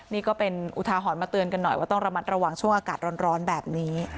นี่ก็เป็นอุทาหรณ์มาเตือนกันหน่อยว่าต้องระมัดระวังช่วงอากาศร้อนแบบนี้